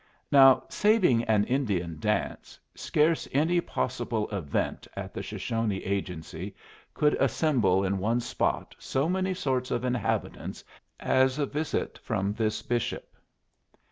Now, saving an Indian dance, scarce any possible event at the Shoshone agency could assemble in one spot so many sorts of inhabitants as a visit from this bishop.